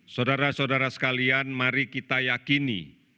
saudara saudara sekalian mari kita yakini